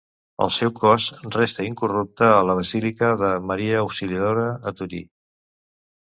El seu cos resta incorrupte a la Basílica de Maria Auxiliadora a Torí.